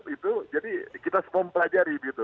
itu kita semam pelajari gitu